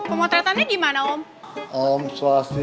om dijaga di syari